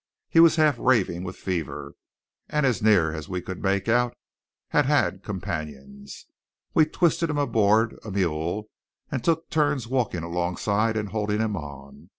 He was half raving with fever, and as near as we could make out had had companions. We twisted him aboard a mule, and took turns walking alongside and holding him on.